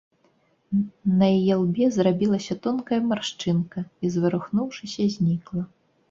На яе лбе зрабілася тонкая маршчынка і, зварухнуўшыся, знікла.